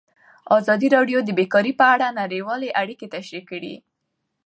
ازادي راډیو د بیکاري په اړه نړیوالې اړیکې تشریح کړي.